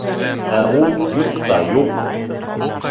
Ә ул юҡ та юҡ!